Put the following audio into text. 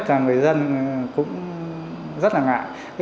là người dân cũng rất là ngại